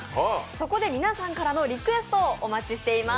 そこで、皆さんからのリクエストをお待ちしています。